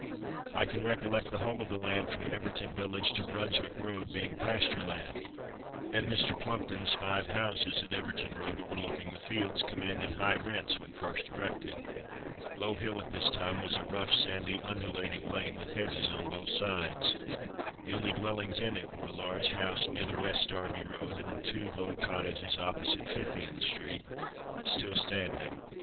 I can recollect the whole of the land from Everton Village to Brunswick Road being pasture land, and Mr. Plumpton's five houses in Everton Road, overlooking the fields, commanded high rents when first erected. Low hill at this time was a rough, sandy, undulating lane with hedges on both sides. The only dwellings in it were a large house near the West Derby road, and two low cottages opposite Phythian street, still standing.